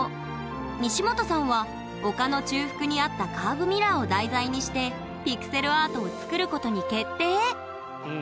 西本さんは丘の中腹にあったカーブミラーを題材にしてピクセルアートを作ることに決定！